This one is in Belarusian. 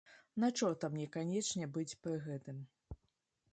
На чорта мне канечне быць пры гэтым.